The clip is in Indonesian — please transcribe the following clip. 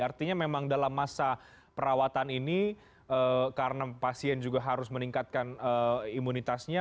artinya memang dalam masa perawatan ini karena pasien juga harus meningkatkan imunitasnya